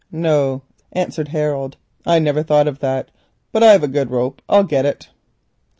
"No," answered Harold, "I never thought of that, but I've a good rope: I'll get it."